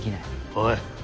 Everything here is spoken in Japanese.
おい。